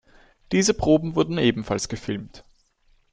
Diese Proben wurden ebenfalls gefilmt.